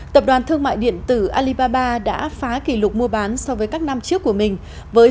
tập đoàn thương mại điện tử alibaba đã phá kỷ lục mua bán so với các năm trước của mình với